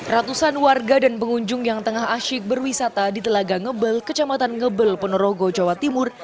ratusan warga dan pengunjung yang tengah asyik berwisata di telaga ngebel kecamatan ngebel ponorogo jawa timur